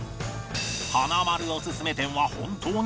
華丸オススメ店は本当にうまいのか？